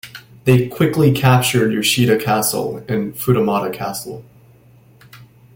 They quickly captured Yoshida Castle and Futamata Castle.